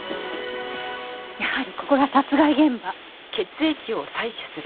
やはりここが殺害現場。